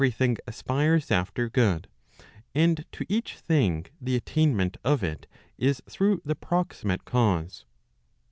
325 thing aspires after good, and to each thing the attainment of it is through the proximate cause.